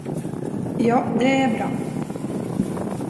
Ja, det är bra.